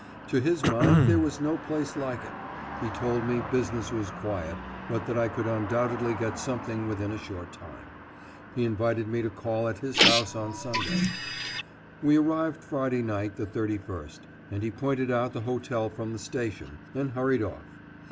To his mind there was no place like it. He told me business was quiet, but that I could undoubtedly get something within a short time. He invited me to call at his house on Sunday. We arrived Friday night, the 31st, and he pointed out the hotel from the station, and hurried off.